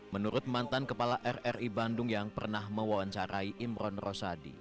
menurut mantan kepala rri bandung yang pernah mewawancarai imron rosadi